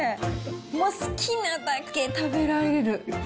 もう好きなだけ食べられる。